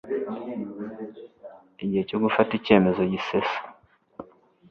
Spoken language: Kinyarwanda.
igihe cyo gufata icyemezo gisesa